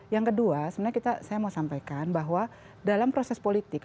yang kedua sebenarnya saya mau sampaikan bahwa dalam proses politik